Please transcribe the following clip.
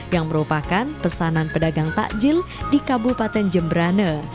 yang merupakan pesanan pedagang takjil di kabupaten jemberane